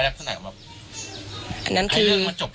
เรื่องกันจบแค่นี้หรหมอันนั้นคือ